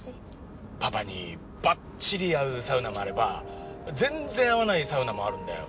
パパにバッチリ合うサウナもあれば全然合わないサウナもあるんだよ。